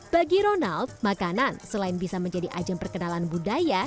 bagi ronald makanan selain bisa menjadi ajang perkenalan budaya